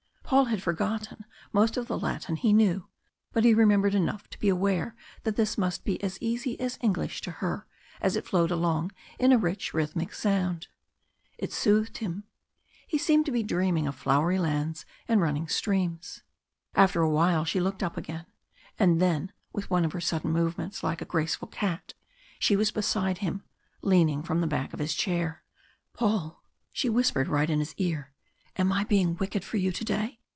Paul had forgotten most of the Latin he knew, but he remembered enough to be aware that this must be as easy as English to her as it flowed along in a rich rhythmic sound. It soothed him. He seemed to be dreaming of flowery lands and running streams. After a while she looked up again, and then with one of her sudden movements like a graceful cat, she was beside him leaning from the back of his chair. "Paul!" she whispered right in his ear, "am I being wicked for you to day?